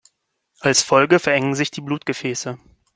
Als Folge verengen sich die Blutgefäße.